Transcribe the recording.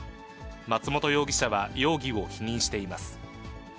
松本容疑者は容疑を否認しています。